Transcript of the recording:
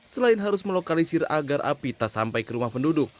selain harus melokalisir agar api tak sampai ke rumah penduduk